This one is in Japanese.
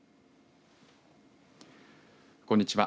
こんにちは。